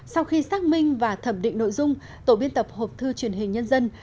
sau khi xác minh và thẩm định nội dung tổ biên tập hộp thư truyền hình nhân dân